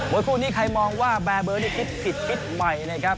คู่นี้ใครมองว่าแบร์เบอร์ที่คิดผิดคิดใหม่นะครับ